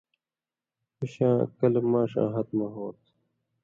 ݜُو شاں کلہۡ ماݜاں ہتہۡ مہ ہوں تھہ،